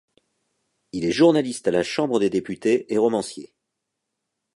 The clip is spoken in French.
Il est journaliste à la Chambre des députés et romancier.